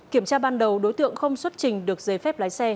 kiểm tra ban đầu đối tượng không xuất trình được giề phép lái xe và đăng ký xe